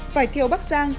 phải thiêu bắc giang